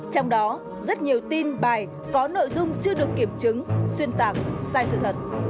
trong đó rất nhiều tin bài có nội dung chưa được kiểm chứng xuyên tạc sai sự thật